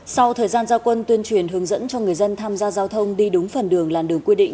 sau thời gian giao quân tuyên truyền hướng dẫn cho người dân tham gia giao thông đi đúng phần đường làn đường quy định